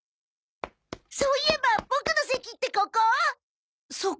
そういえばボクの席ってここ？